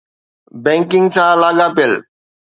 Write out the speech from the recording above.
Banking سان لاڳاپيل.